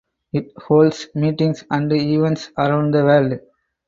It holds meetings and events around the world.